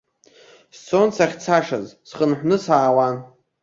Сцон сахьцашаз, схынҳәны саауан.